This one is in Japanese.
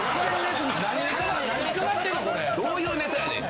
どういうネタやねん。